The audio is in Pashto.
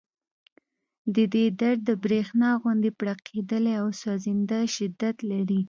د دې درد د برېښنا غوندې پړقېدلی او سوځنده شدت لري